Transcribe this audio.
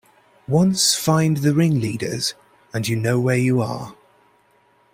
Once find the ringleaders, and you know where you are.